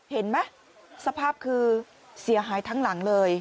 เห็นไหมสภาพคือเสียหายทั้งหลังเลย